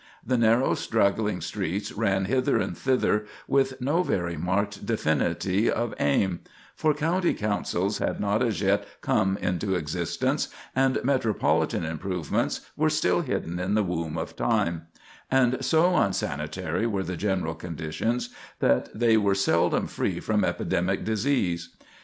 The narrow, straggling streets ran hither and thither with no very marked definity of aim; for county councils had not as yet come into existence, and metropolitan improvements were still hidden in the womb of time; and so unsanitary were the general conditions that they were seldom free from epidemic disease.